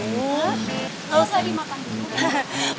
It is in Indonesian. gak usah dimakan